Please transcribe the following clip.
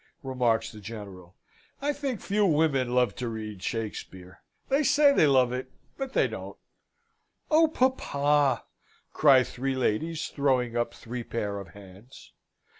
remarks the General. "I think few women love to read Shakspeare: they say they love it, but they don't." "Oh, papa!" cry three ladies, throwing up three pair of hands.